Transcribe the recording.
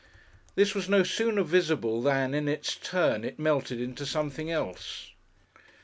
This was no sooner visible than, in its turn, it melted into something else.